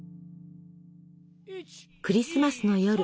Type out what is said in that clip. クリスマスの夜。